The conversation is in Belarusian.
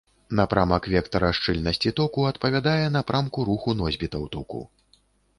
Напрамак вектара шчыльнасці току адпавядае напрамку руху носьбітаў току.